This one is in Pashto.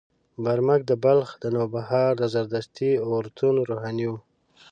برمک د بلخ د نوبهار د زردشتي اورتون روحاني و.